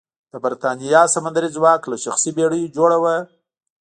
د برېتانیا سمندري ځواک له شخصي بېړیو جوړه وه.